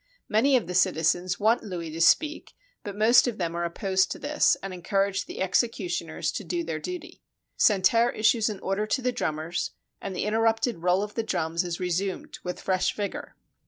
Many of the citizens want Louis to speak, but most of them are opposed to this, and encourage the executioners to do their duty. Santerre issues an order to the drummers, and the interrupted roll of the drums is resumed with fresh vigor.